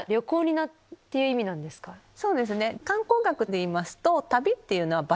そうですね。